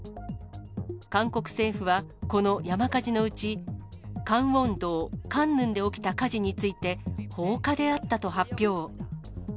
韓国政府は、この山火事のうち、カンウォン道カンヌンで起きた火事について、放火であったと発表。